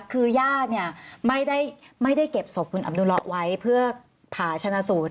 คือญาติเนี่ยไม่ได้เก็บศพคุณอำนุเลาะไว้เพื่อผ่าชนะสูตร